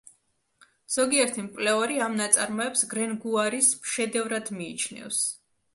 ზოგიერთი მკვლევარი ამ ნაწარმოებს გრენგუარის შედევრად მიიჩნევს.